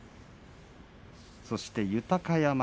そして豊山